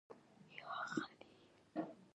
که مطالعه ونه شي نو په راتلونکي کې به زیات مشکلات ولري